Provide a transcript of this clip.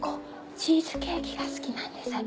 チーズケーキが好きなんです。